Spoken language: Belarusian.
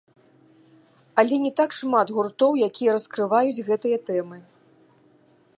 Але не так шмат гуртоў, якія раскрываюць гэтыя тэмы.